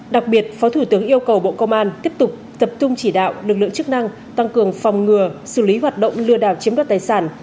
đặc biệt phó thủ tướng yêu cầu bộ công an tiếp tục tập trung chỉ đạo lực lượng chức năng tăng cường phòng ngừa xử lý hoạt động lừa đảo chiếm đoạt tài sản